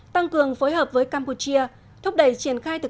một mươi tăng cường phối hợp với campuchia